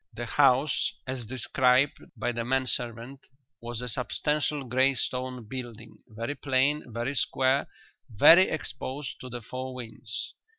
The house, as described by the man servant, was a substantial grey stone building, very plain, very square, very exposed to the four winds.